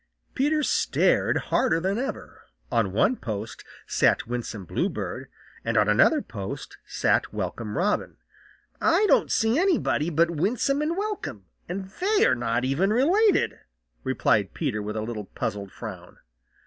Peter stared harder than ever. On one post sat Winsome Bluebird, and on another post sat Welcome Robin. "I don't see anybody but Winsome and Welcome, and they are not even related," replied Peter with a little puzzled frown.